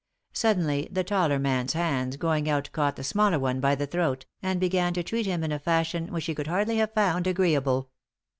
Suddenly the taller man's hands going out caught the smaller one by the throat, and began to treat him in a fashion which he could hardly have found agreeable.